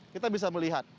kita bisa melihat